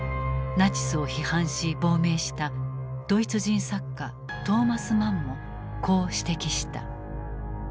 ナチスを批判し亡命したドイツ人作家トーマス・マンもこう指摘した。